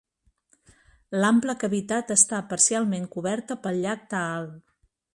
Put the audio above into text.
L'ample cavitat està parcialment coberta pel llac Taal.